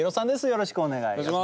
よろしくお願いします。